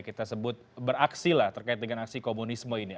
kita sebut beraksi lah terkait dengan aksi komunisme ini